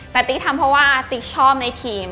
แต่ติ๊กทำเพราะว่าติ๊กชอบในทีม